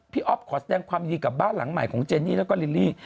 อ๊อฟขอแสดงความดีกับบ้านหลังใหม่ของเจนี่แล้วก็ลิลลี่